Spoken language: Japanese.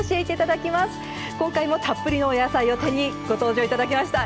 今回もたっぷりのお野菜を手にご登場頂きました。